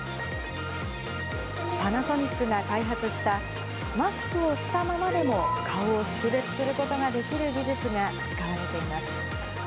パナソニックが開発した、マスクをしたままでも顔を識別することができる技術が使われています。